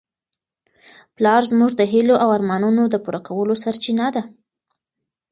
پلار زموږ د هیلو او ارمانونو د پوره کولو سرچینه ده.